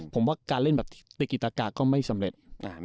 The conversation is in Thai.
ผมว่าการเล่นแบบติกิจากาก็ไม่สำเร็จ